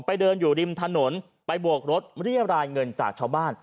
เดินอยู่ริมถนนไปบวกรถเรียบรายเงินจากชาวบ้าน